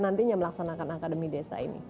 nantinya melaksanakan akademi desa ini